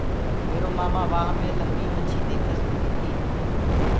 ميرو مآمآ وآه مي لمبي مڇي ديکس هوندي تي۔